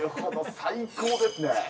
最高ですね。